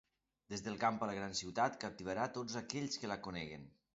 Des del camp a la gran ciutat, captivarà tots aquells que la coneguin.